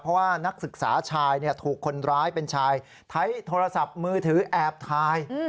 เพราะว่านักศึกษาชายถูกคนร้ายเป็นชายใช้โทรศัพท์มือถือแอบถ่าย